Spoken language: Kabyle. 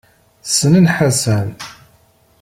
Ssnen Ḥasan.